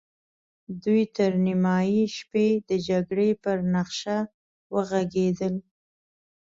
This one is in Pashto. دوی تر نيمې شپې د جګړې پر نخشه وغږېدل.